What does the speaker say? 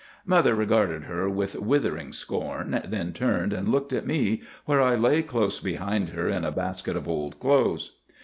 "Mother regarded her with withering scorn, then turned and looked at me, where I lay close behind her in a basket of old clothes.